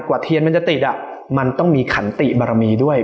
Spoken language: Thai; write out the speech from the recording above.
เทียนมันจะติดมันต้องมีขันติบารมีด้วย